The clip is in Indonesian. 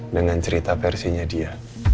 dengan cerita versinya dia